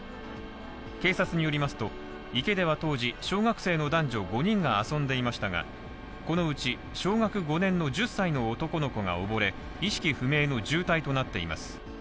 警察によりますと、池では当時、小学生の男女５人が遊んでいましたがこのうち小学５年の１０歳の男の子が溺れ意識不明の重体となっています。